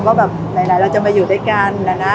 ว่าแบบไหนเราจะมาอยู่ด้วยกันแล้วนะ